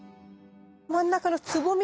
真ん中のつぼみがさ。